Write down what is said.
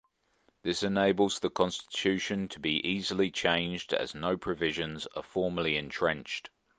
This enables the constitution to be easily changed as no provisions are formally entrenched.